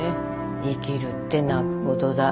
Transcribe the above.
生きるって泣くことだ。